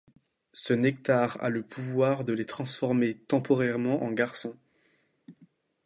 Ce nectar a le pouvoir de les transformer temporairement en garçons.